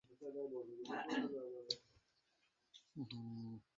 আমার কথা রাখো, আমাকে সন্তুষ্ট করো।